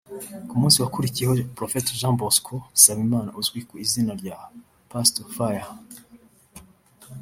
ku munsi wakurikiyeho Prophete Jean Bosco Nsabimana uzwi ku izina rya Pastor Fire